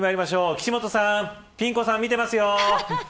岸本さんピン子さん見てますよ。